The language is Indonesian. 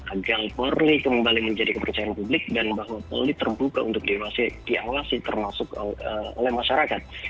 agar polri kembali menjadi kepercayaan publik dan bahwa polri terbuka untuk diawasi termasuk oleh masyarakat